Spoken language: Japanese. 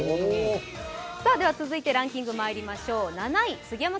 では続いてランキングまいりましょう、７位。